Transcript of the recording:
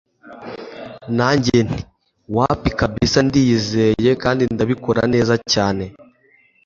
nanjye nti wapi kabsa ndiyizeye kandi ndabikora neza cyane